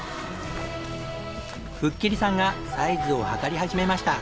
吹切さんがサイズを測り始めました。